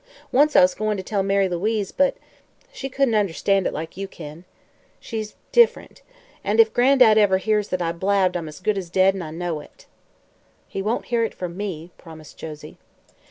Once I was goin' to tell Mary Louise, but she couldn't understand it like you kin. She's diff'rent. And if Gran'dad ever hears that I blabbed I'm as good as dead, an' I know it!" "He won't hear it from me," promised Josie.